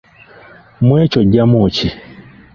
Mu ekyo oggyamu ki?